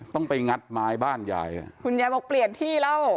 ต้องไปงัดไม้บ้านยายอ่ะคุณยายบอกเปลี่ยนที่แล้ว